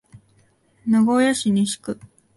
名古屋市西区